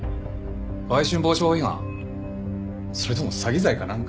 売春防止法違反？それとも詐欺罪かなんか？